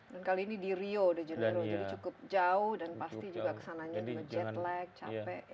dan kali ini di rio de janeiro jadi cukup jauh dan pasti juga kesananya dengan jet lag capek ya